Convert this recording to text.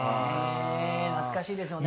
懐かしいですよね。